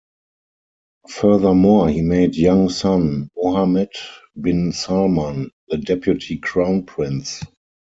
Furthermore he made young son, Mohammed bin Salman the Deputy Crown Prince.